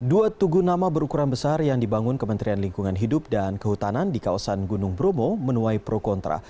dua tugu nama berukuran besar yang dibangun kementerian lingkungan hidup dan kehutanan di kawasan gunung bromo menuai pro kontra